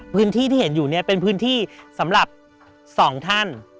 พื้นที่ที่เห็นอยู่เนี่ยเป็นพื้นที่สำหรับสองท่าน